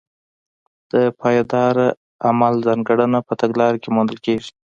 د پایداره عمل ځانګړنه په تګلاره کې موندل کېږي.